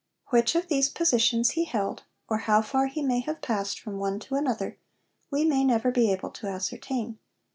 Which of these positions he held, or how far he may have passed from one to another, we may never be able to ascertain.